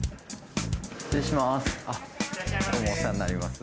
失礼します。